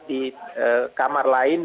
di kamar lain